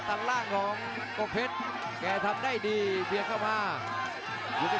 ประเภทมัยยังอย่างปักส่วนขวา